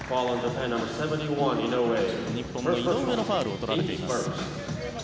日本の井上のファウルを取られています。